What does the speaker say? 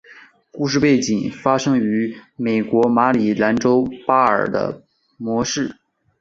故事背景发生于美国马里兰州巴尔的摩市。